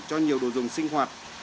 không đảm nó ghi thế